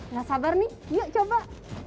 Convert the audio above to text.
gak sabar nih yuk coba